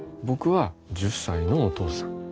僕は１０歳のお父さん。